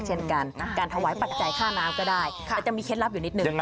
เช่นกันการถวายปัจจัยค่าน้ำก็ได้แต่จะมีเคล็ดลับอยู่นิดนึง